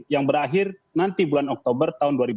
yang berakhir nanti bulan oktober tahun dua ribu dua puluh